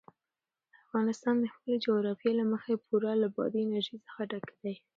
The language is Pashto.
افغانستان د خپلې جغرافیې له مخې پوره له بادي انرژي څخه ډک دی.